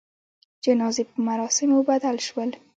جنازې په مراسموبدل سول.